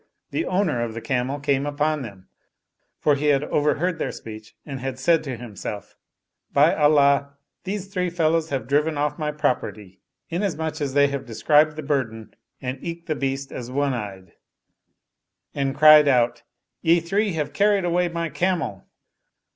the owner of the camel came upon them (for he had overheard their speech and had said to himself, " By Allah, these three fellows have driven off my property, inasmuch as they have described the burden and eke the beast as one eyed"), and cried out, " Ye three have carried away my camel